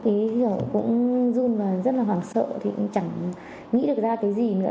thế hiểu cũng run và rất là hoảng sợ thì cũng chẳng nghĩ được ra cái gì nữa